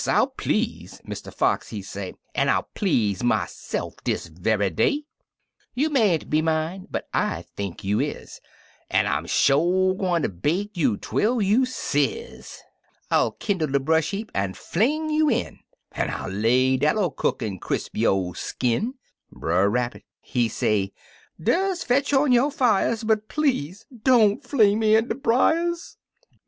I'll please!" Mr. Fox, he say, "An" I'll please myse'f dis very day I You mayn't be mine, but I think you is, An' I'm sho gwine ter bake you twel you sizzi I'll kindle de bresh heap, an' fling you in, An' I lay dat'll cook an' crisp yo' skinl" Brer Rabbit, he say: " Des fetch on yo' fires, But please don't fling me in de briers!